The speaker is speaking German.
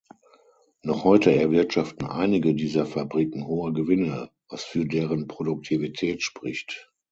Noch heute erwirtschaften einige dieser Fabriken hohe Gewinne, was für deren Produktivität spricht.